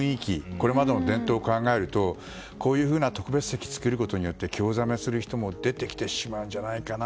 これまでの伝統を考えるとこういう特別席を作ることで興ざめする人も出てきちゃうんじゃないかな。